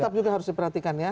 tetap juga harus diperhatikan ya